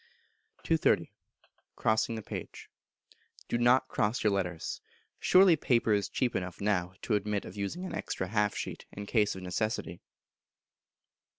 230. Crossing the Page. Do not cross your letters: surely paper is cheap enough now to admit of using an extra half sheet, in case of necessity.